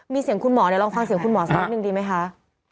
มีเสียงคุณหมอเดี๋ยวลองฟังเสียงคุณหมอสักนิดนึงดีไหมคะ